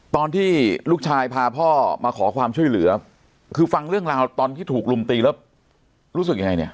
ตอนที่ลูกชายพาพ่อมาขอความช่วยเหลือคือฟังเรื่องราวตอนที่ถูกลุมตีแล้วรู้สึกยังไงเนี่ย